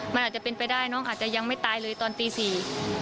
มันอาจจะเป็นไปได้น้องอาจจะยังไม่ตายเลยตอนตีสี่